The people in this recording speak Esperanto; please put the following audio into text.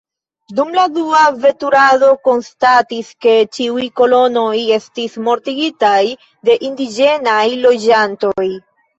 Dum la dua veturado konstatis ke ĉiuj kolonoj estis mortigitaj de indiĝenaj loĝantoj.